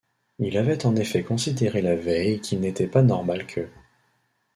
Il avait en effet considéré la veille qu'il n'était pas normal qu'.